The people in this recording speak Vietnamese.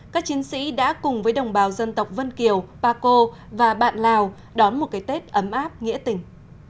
các chiến sĩ đã cùng với đồng bào dân tộc vân kiều pa co và bạn lào đón một cái tết ấm áp nghĩa tình